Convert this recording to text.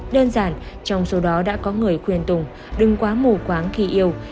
đơn giản trong số đó đã có người khuyên tùng đừng quá mù quáng khi yêu